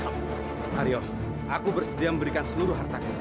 aryo aku bersedia memberikan seluruh hartaku